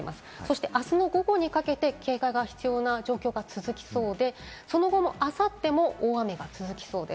あすの午後にかけて警戒が必要な状態が続きそうで、その後もあさっても大雨が続きそうです。